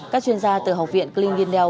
các chuyên gia từ học viện klinsen den